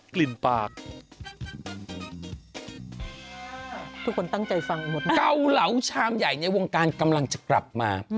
เกาเหลาชามใหญ่ในวงการกำลังจะกลับมา